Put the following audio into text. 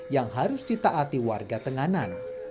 yang harus ditaati warga tenganan